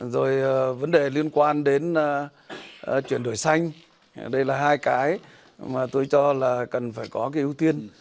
rồi vấn đề liên quan đến chuyển đổi xanh đây là hai cái mà tôi cho là cần phải có cái ưu tiên